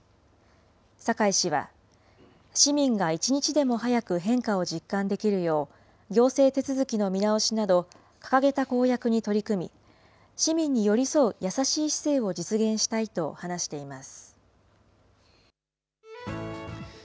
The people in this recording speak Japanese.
酒井氏は、市民が一日でも早く変化を実感できるよう、行政手続きの見直しなど、掲げた公約に取り組み、市民に寄り添う優しい市政を実現したいと話しています。